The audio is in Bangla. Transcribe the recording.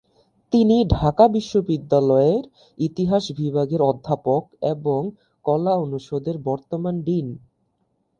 তিনি ঢাকা বিশ্ববিদ্যালয়ের ইতিহাস বিভাগের অধ্যাপক এবং কলা অনুষদের বর্তমান ডিন।